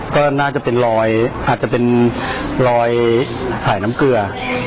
ก็น่าจะเป็นรอยอาจจะเป็นรอยสายน้ำเกลือ